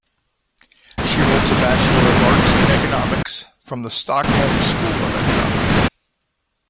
She holds a Bachelor of Arts in economics from the Stockholm School of Economics.